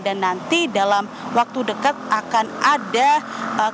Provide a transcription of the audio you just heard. dan nanti dalam waktu dekat akan ada kereta api